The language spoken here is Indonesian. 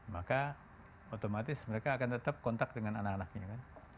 maka otomatis mereka akan tetap kontak dengan anak anaknya kan